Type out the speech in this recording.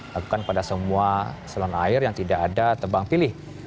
lakukan pada semua selon air yang tidak ada tebang pilih